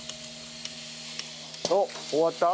おっ終わった？